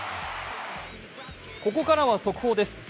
ここからは速報です。